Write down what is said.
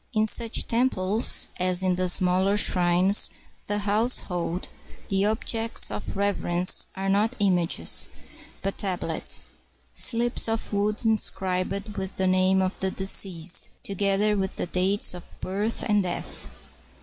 In such temples, as in the smaller shrines of the house hold, the objects of reverence are not images, but tab lets, — slips of wood inscribed with the name of the deceased, together with the dates of birth and death.